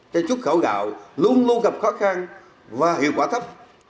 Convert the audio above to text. cho chút khẩu gạo luôn luôn gặp khó khăn và hiệu quả thấp